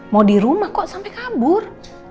mau di rumah kok sampai kabur